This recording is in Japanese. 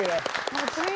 気持ちいい。